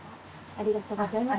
ありがとうございます。